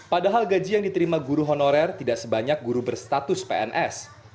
padahal gaji yang diterima guru honorer tidak sebanyak guru berstatus pns